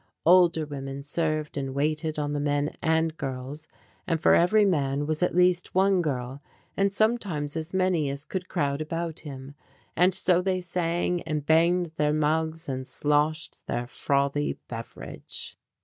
Older women served and waited on the men and girls, and for every man was at least one girl and sometimes as many as could crowd about him. And so they sang, and banged their mugs and sloshed their frothy beverage.